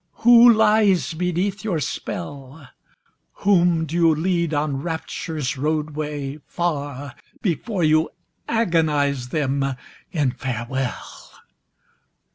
Who lies beneath your spell? Whom do you lead on Rapture's roadway, far, Before you agonise them in farewell?